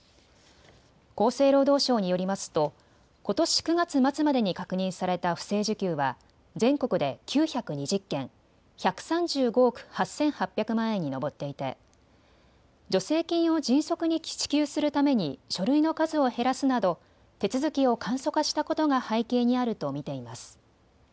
厚生労働省によりますとことし９月末までに確認された不正受給は全国で９２０件、１３５億８８００万円に上っていて助成金を迅速に支給するために書類の数を減らすなど手続きを簡素化したことが背景にあると見ています。